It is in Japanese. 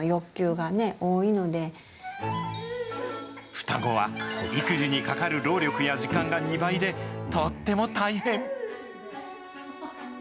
双子は育児にかかる労力や時間が２倍で、とっても大変。